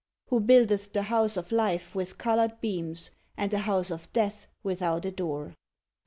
Who buildeth the house of life with colored beams, and the house of death without a door; 22.